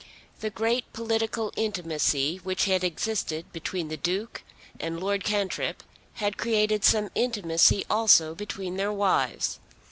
The great political intimacy which had existed between the Duke and Lord Cantrip had created some intimacy also between their wives.